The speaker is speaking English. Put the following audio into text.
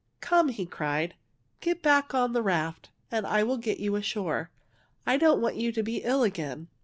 *^ Come/' he cried, " get back on the raft, and I will get you ashore. I don't want you to be ill again."